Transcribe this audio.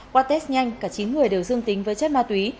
qua test nhanh cả chín người đều dương tính với chất ma túy